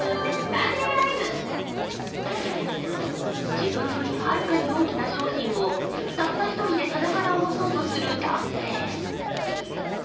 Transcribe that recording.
自分よりはるかに大きな商品をたった１人で棚から下ろそうとする男性。